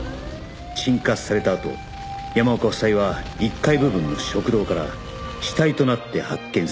鎮火されたあと山岡夫妻は１階部分の食堂から死体となって発見された